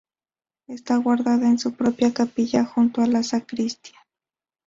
Está guardada en su propia capilla junto a la sacristía.